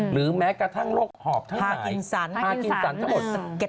หรือแม้กระทั่งโรคหอบทั้งหายพากินสรรค์ทั้งหมด